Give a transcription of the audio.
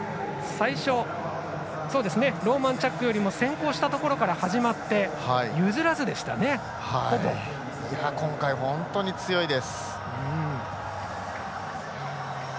ローマンチャックよりも先行したところから始まって今回、本当に強いです。